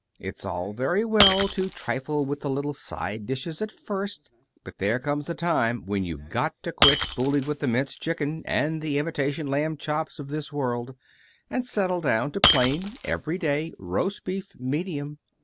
It's all very well to trifle with the little side dishes at first, but there comes a time when you've got to quit fooling with the minced chicken, and the imitation lamb chops of this world, and settle down to plain, everyday, roast beef, medium.